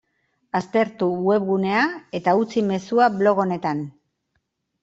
Aztertu webgunea eta utzi mezua blog honetan.